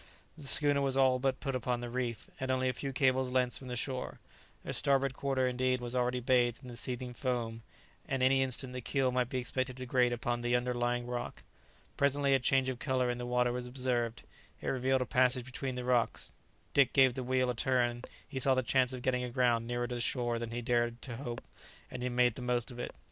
The schooner was all but upon the reef, and only a few cables' length from the shore; her starboard quarter indeed was already bathed in the seething foam, and any instant the keel might be expected to grate upon the under lying rock. Presently a change of colour in the water was observed; it revealed a passage between the rocks. Dick gave the wheel a turn; he saw the chance of getting aground nearer to the shore than he had dared to hope, and he made the most of it.